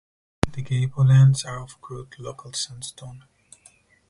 The gable ends are of crude local sandstone.